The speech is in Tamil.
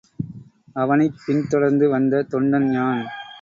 அவனைப் பின்தொடர்ந்து வந்த தொண்டன் யான்.